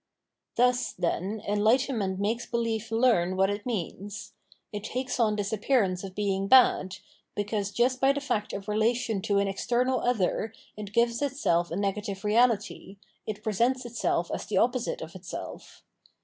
Thus, then, enlightenment makes belief learn what it means. It takes on this appearance of being bad, because just by the fact of relation to an external other it gives itself a negative reahty, it presents itself as the opposite of itself.